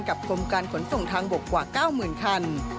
กรมการขนส่งทางบกกว่า๙๐๐คัน